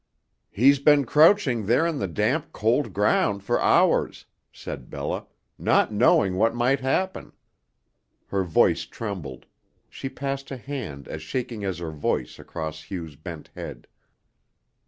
"He's been crouching there on the damp, cold ground for hours," said Bella, "not knowing what might happen." Her voice trembled; she passed a hand as shaking as her voice across Hugh's bent head.